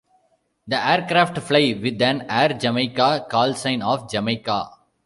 The aircraft fly with an Air Jamaica callsign of "Jamaica".